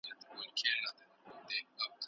که انلاین کتابتون وي نو درس نه ټکنی کیږي.